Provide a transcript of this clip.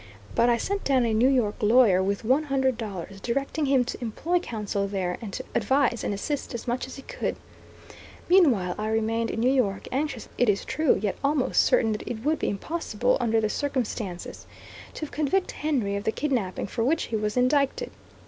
But I sent down a New York lawyer with one hundred dollars, directing him to employ council there, and to advise and assist as much as he could. Meanwhile, I remained in New York, anxious, it is true, yet almost certain that it would be impossible, under the circumstances, to convict Henry of the kidnapping for which he was indicted.